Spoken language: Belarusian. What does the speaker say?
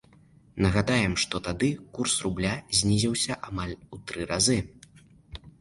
Нагадаем, што тады курс рубля знізіўся амаль у тры разы.